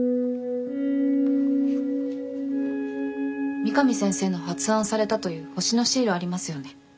三上先生の発案されたという星のシールありますよね？